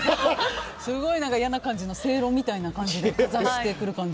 すごい嫌な感じの正論みたいな感じで刺してくる感じ。